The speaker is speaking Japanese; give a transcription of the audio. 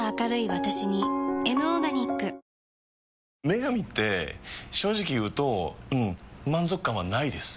「麺神」って正直言うとうん満足感はないです。